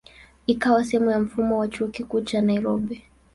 Ikawa sehemu ya mfumo wa Chuo Kikuu cha Nairobi.